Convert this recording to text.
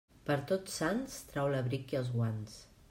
Per Tots Sants, trau l'abric i els guants.